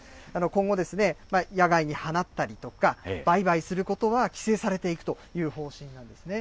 今後、野外に放ったりとか、売買することは規制されていくという方針なんですね。